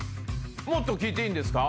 もっと聞いていいんですか？